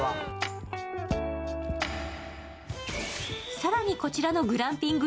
更にこちらのグランピング